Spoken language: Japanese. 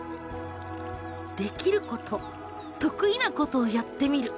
「できること得意なことをやってみる」。